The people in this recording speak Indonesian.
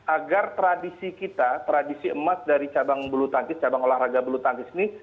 agar tradisi kita tradisi emas dari cabang belutantis cabang olahraga belutantis ini